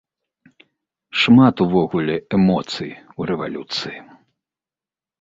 Шмат, увогуле, эмоцый у рэвалюцыі.